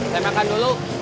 saya makan dulu